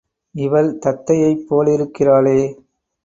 இவள் தத்தையைப் போலிருக்கிறாளே?